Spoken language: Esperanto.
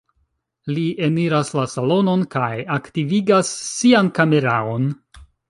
Li eniras la salonon kaj aktivigas sian kameraon.